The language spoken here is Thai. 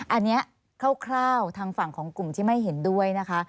อันนี้คร่าวทางฝั่งของกลุ่มที่ไม่เห็นด้วยนะคะ